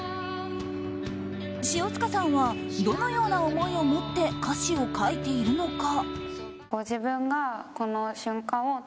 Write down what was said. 塩塚さんはどのような思いを持って歌詞を書いているのか。